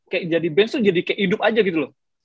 kayak jadi benz itu jadi kayak hidup aja gitu loh